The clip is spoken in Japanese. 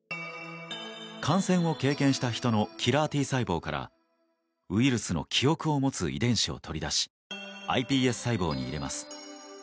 感染を経験した人のキラーＴ細胞からウイルスの記憶を持つ遺伝子を取り出しｉＰＳ細胞に入れます。